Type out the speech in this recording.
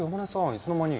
いつの間に。